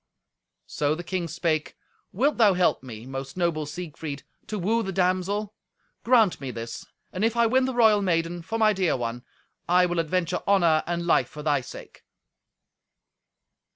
So the king spake, "Wilt thou help me, most noble Siegfried, to woo the damsel? Grant me this, and if I win the royal maiden for my dear one, I will adventure honour and life for thy sake."